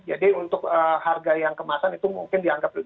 jadi untuk harga yang kemasan itu mungkin dianggap